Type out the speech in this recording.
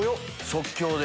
即興で？